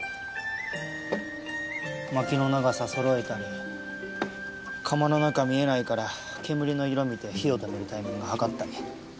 まきの長さ揃えたりかまの中見えないから煙の色見て火を止めるタイミング計ったり。